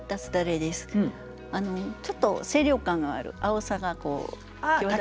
ちょっと清涼感のある青さがこう際立つ。